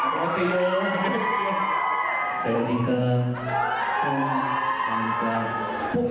พวกเขาคิดถึงผมมากเลยนะคะ